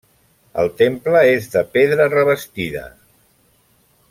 El temple és de pedra, revestida.